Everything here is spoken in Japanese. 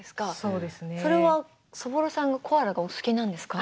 それはそぼろさんがコアラがお好きなんですか？